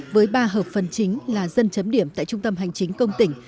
với ba hợp phần chính là dân chấm điểm tại trung tâm hành chính công tỉnh